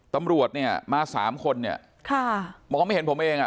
ตำรวจเนี่ยมาสามคนเนี่ยค่ะมองไม่เห็นผมเองอ่ะ